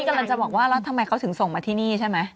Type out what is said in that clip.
กำลังจะบอกว่าแล้วทำไมเขาถึงส่งมาที่นี่ใช่ไหม